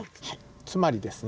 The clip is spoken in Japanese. つまりですね。